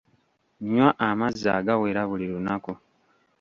Nywa amazzi agawera buli lunaku.